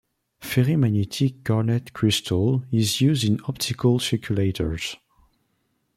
Ferrimagnetic garnet crystal is used in optical circulators.